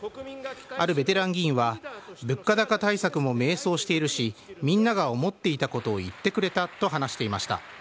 あるベテラン議員は物価高対策も迷走しているしみんなが思っていたことを言ってくれたと話していました。